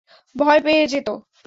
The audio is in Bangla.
ভয় পেয়ে যেতো।